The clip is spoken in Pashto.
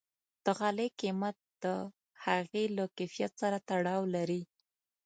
د غالۍ قیمت د هغې له کیفیت سره تړاو لري.